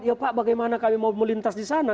ya pak bagaimana kami mau melintas di sana